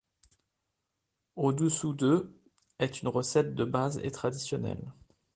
Au-dessous de est une recette de base et traditionnelle.